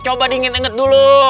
coba dingin inget dulu